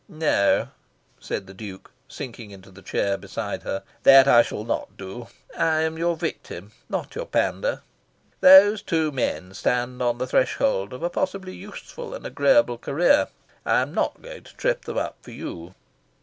"No," said the Duke, sinking into the chair beside her. "That I shall not do. I am your victim: not your pander. Those two men stand on the threshold of a possibly useful and agreeable career. I am not going to trip them up for you."